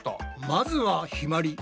まずはひまり。